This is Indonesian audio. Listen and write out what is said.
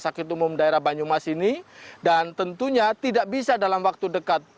sakit umum daerah banyumas ini dan tentunya tidak bisa dalam waktu dekat